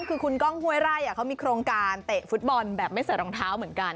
คือคุณก้องห้วยไร่เขามีโครงการเตะฟุตบอลแบบไม่ใส่รองเท้าเหมือนกัน